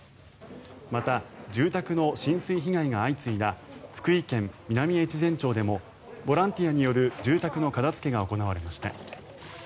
また住宅の浸水被害が相次いだ福井県南越前町でもボランティアによる住宅の片づけが行われました。